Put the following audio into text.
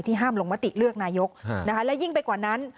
ห้ามลงมติเลือกนายกและยิ่งไปกว่านั้น